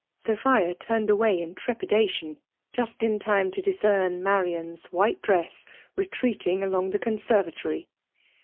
' Sophia turned away in trepidation^ just in time to discern Marian*s white dress retreating along the conservatory.